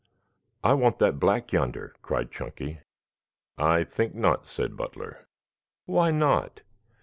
"I want that black yonder," cried Chunky. "I think not," said Butler. "Why not?"